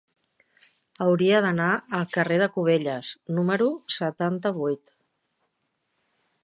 Hauria d'anar al carrer de Cubelles número setanta-vuit.